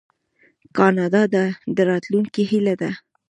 کاناډا د راتلونکي هیله ده.